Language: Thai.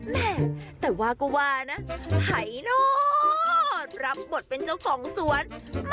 แม่แต่ว่าก็ว่านะหายนอนรับบทเป็นเจ้าของสวน